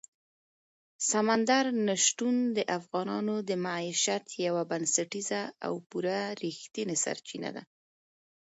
سمندر نه شتون د افغانانو د معیشت یوه بنسټیزه او پوره رښتینې سرچینه ده.